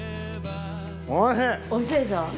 美味しいでしょ？